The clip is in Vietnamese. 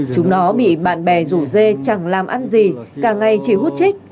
chúng nó bị bạn bè rủ dê chẳng làm ăn gì càng ngày chỉ hút chích